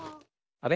あれ？